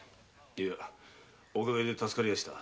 いやおかげで助かりました。